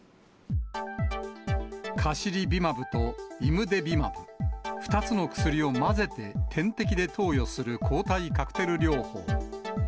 カシリビマブとイムデビマブ、２つの薬を混ぜて点滴で投与する抗体カクテル療法。